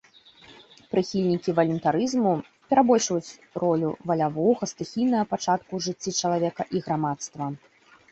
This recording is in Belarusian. Прыхільнікі валюнтарызму перабольшваюць ролю валявога, стыхійнага пачатку ў жыцці чалавека і грамадства.